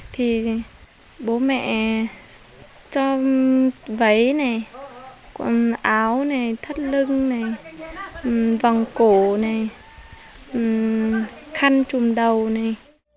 thì bố mẹ cho váy này quần áo này thắt lưng này vòng cổ này khăn trùm đầu này